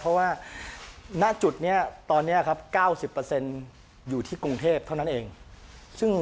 เพราะว่าณจุดนี้ตอนนี้ครับ๙๐อยู่ที่กรุงเทพเท่านั้นเองซึ่ง